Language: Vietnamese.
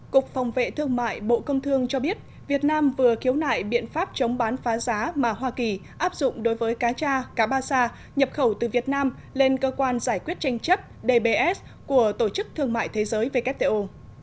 cục phòng vệ thương mại bộ công thương cho biết việt nam vừa khiếu nại biện pháp chống bán phá giá mà hoa kỳ áp dụng đối với cá cha cá ba sa nhập khẩu từ việt nam lên cơ quan giải quyết tranh chấp dbs của tổ chức thương mại thế giới wto